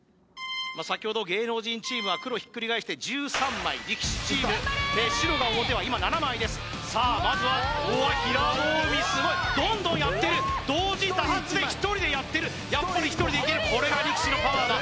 先ほど芸能人チームは黒ひっくり返して１３枚力士チーム白が表は今７枚ですさあまずはおお平戸海すごいどんどんやってる同時多発で１人でやってるやっぱり１人でいけるこれが力士のパワーだ